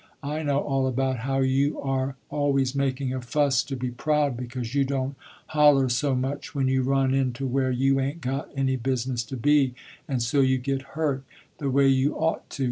I know all about how you are always making a fuss to be proud because you don't holler so much when you run in to where you ain't got any business to be, and so you get hurt, the way you ought to.